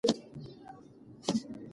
تورې ورېځې تیریږي.